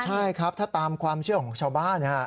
ใช่ครับถ้าตามความเชื่อของชาวบ้าน